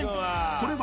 それは］